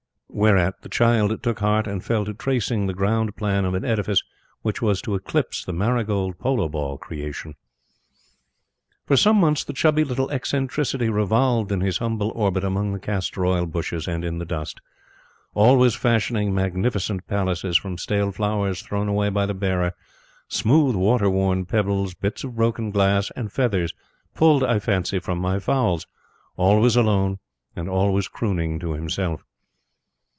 Whereat the child took heart and fell to tracing the ground plan of an edifice which was to eclipse the marigold polo ball creation. For some months, the chubby little eccentricity revolved in his humble orbit among the castor oil bushes and in the dust; always fashioning magnificent palaces from stale flowers thrown away by the bearer, smooth water worn pebbles, bits of broken glass, and feathers pulled, I fancy, from my fowls always alone and always crooning to himself.